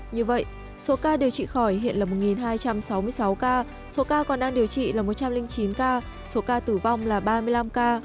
như vậy số ca điều trị khỏi hiện là một hai trăm sáu mươi sáu ca số ca còn đang điều trị là một trăm linh chín ca số ca tử vong là ba mươi năm ca